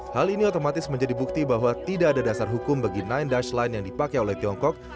hal ini otomatis menjadi bukti bahwa tidak ada dasar hukum bagi sembilan dush line yang dipakai oleh tiongkok